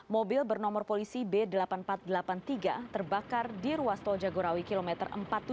mobil bernomor polisi b delapan ribu empat ratus delapan puluh tiga terbakar di ruas tol jagorawi kilometer empat puluh tujuh